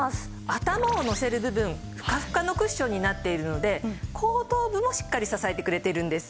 頭をのせる部分ふかふかのクッションになっているので後頭部もしっかり支えてくれているんです。